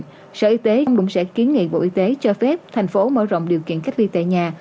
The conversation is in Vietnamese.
tuy nhiên sở y tế cũng sẽ kiến nghị bộ y tế cho phép thành phố mở rộng điều kiện cách ly tại nhà